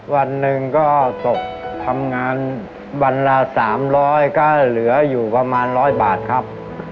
วันหนึ่งก็จบทำงานวันละสามร้อยก็เหลืออยู่ประมาณร้อยบาทครับ